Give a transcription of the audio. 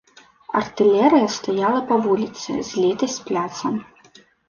Артылерыя стаяла па вуліцы, злітай з пляцам.